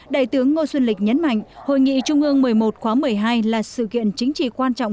đại tướng ngô xuân lịch nhấn mạnh hội nghị trung ương một mươi một khóa một mươi hai là sự kiện chính trị quan trọng